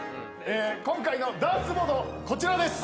今回のダーツボードこちらです！